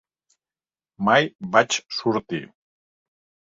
Mai vaig sortir.